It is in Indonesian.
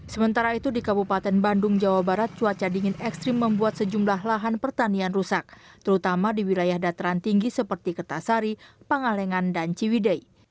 sementara itu di kabupaten bandung jawa barat cuaca dingin ekstrim membuat sejumlah lahan pertanian rusak terutama di wilayah dataran tinggi seperti kertasari pangalengan dan ciwidei